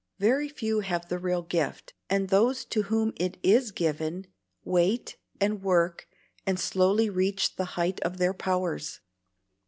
Very few have the real gift, and those to whom it IS given wait and work and slowly reach the height of their powers.